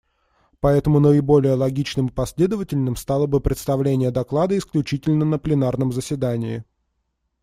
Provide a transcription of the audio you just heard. Поэтому наиболее логичным и последовательным стало бы представление доклада исключительно на пленарном заседании.